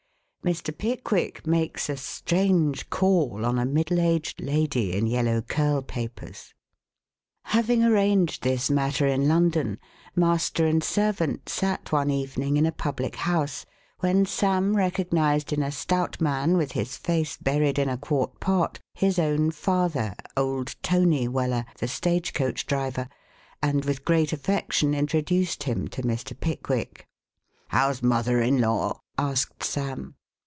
MR. PICKWICK MAKES A STRANGE CALL ON A MIDDLE AGED LADY IN YELLOW CURL PAPERS Having arranged this matter in London, master and servant sat one evening in a public house when Sam recognized in a stout man with his face buried in a quart pot, his own father, old Tony Weller, the stage coach driver, and with great affection introduced him to Mr. Pickwick. "How's mother in law?" asked Sam.